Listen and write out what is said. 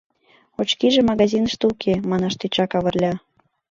— Очкиже магазиныште уке, — манаш тӧча Кавырля.